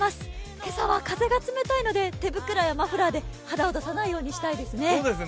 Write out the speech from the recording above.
今朝は風が冷たいので手袋やマフラーで肌を出さないようにしたいですね。